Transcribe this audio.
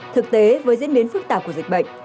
thực tế với diễn biến phức tạp của dịch bệnh